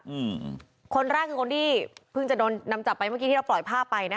อืมคนแรกคือคนที่เพิ่งจะโดนนำจับไปเมื่อกี้ที่เราปล่อยภาพไปนะคะ